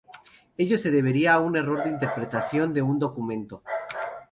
Ello se debería a un error de interpretación de un documento.